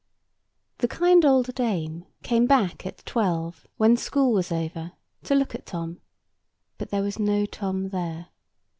The kind old dame came back at twelve, when school was over, to look at Tom: but there was no Tom there.